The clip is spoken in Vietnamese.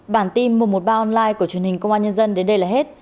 bản tin mùa một ba online của truyền hình công an nhân dân đến đây là hết